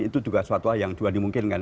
itu juga suatu hal yang juga dimungkinkan